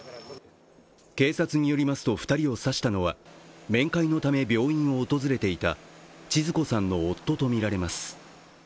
警察によりますと、２人を刺したのは面会のため病院を訪れていたちづ子さんの夫とみられます。